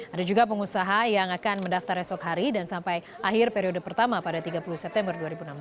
ada juga pengusaha yang akan mendaftar esok hari dan sampai akhir periode pertama pada tiga puluh september dua ribu enam belas